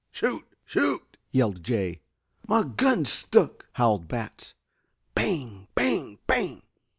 "Shoot! Shoot!" yelled Jay. "My gun's stuck," howled Batts. "Bang, bang, bang!"